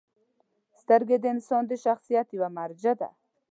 • سترګې د انسان د شخصیت یوه مرجع ده.